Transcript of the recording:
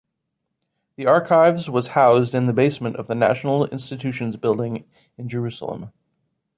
The Archives was housed in the basement of the National Institutions building in Jerusalem.